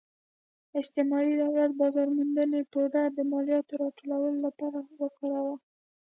استعماري دولت بازار موندنې بورډ د مالیاتو راټولولو لپاره وکاراوه.